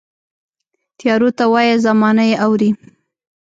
تیارو ته وایه، زمانه یې اورې